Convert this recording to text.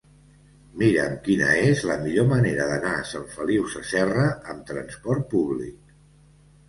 Mira'm quina és la millor manera d'anar a Sant Feliu Sasserra amb trasport públic.